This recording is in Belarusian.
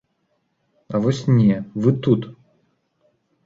А вось не, вы тут.